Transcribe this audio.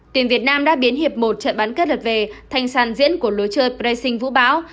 tuyển việt nam đã biến hiệp một trận bán kết lượt về thanh sàn diễn của lối chơi pressing vũ báo